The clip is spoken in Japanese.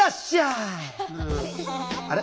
あれ？